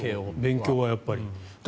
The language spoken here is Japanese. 勉強はやっぱり。